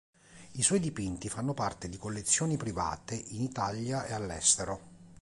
I suoi dipinti fanno parte di collezioni private in Italia e all’estero.